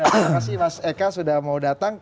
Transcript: terima kasih mas eka sudah mau datang